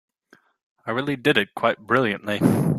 I really did it quite brilliantly.